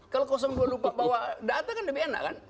kalau dua lupa bawa data kan lebih enak kan